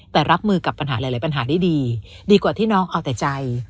แต่รับมือกับปัญหาหลายปัญหาได้ดีดีกว่าที่น้องเอาแต่ใจ